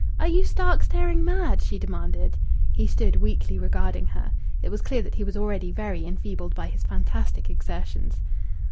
"Are you stark, staring mad?" she demanded. He stood weakly regarding her. It was clear that he was already very enfeebled by his fantastic exertions.